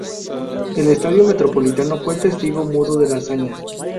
El estadio Metropolitano fue el testigo mudo de la hazaña.